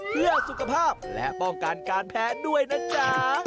เพื่อสุขภาพและป้องกันการแพ้ด้วยนะจ๊ะ